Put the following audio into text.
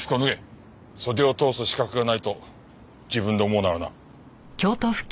袖を通す資格がないと自分で思うならな。